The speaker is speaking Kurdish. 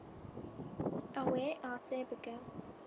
Ew ê asê bike.